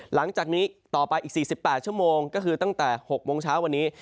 หลังจากนี้ต่อไปอีก๔๘ชั่วโมงก็คือตั้งแต่๖โมงเช้าวันนี้